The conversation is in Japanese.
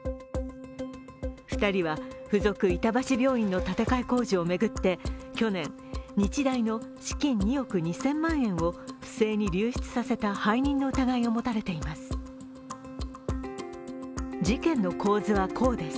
２人は附属板橋病院の建て替え工事を巡って去年、日大の資金２億２０００万円を不正に流出させた背任の疑いを持たれています。